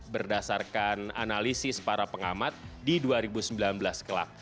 berdasarkan analisis para pengamat di dua ribu sembilan belas kelak